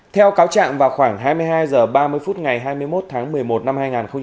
theo cáo trạng vào khoảng hai mươi hai h ba mươi phút ngày hai mươi một tháng một mươi một năm hai nghìn hai mươi